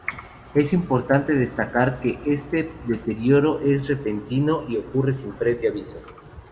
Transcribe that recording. Es importante destacar que este deterioro es repentino y ocurre sin previo aviso.